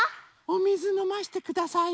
おみずのましてください。